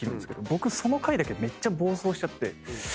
僕その回だけめっちゃ暴走しちゃって。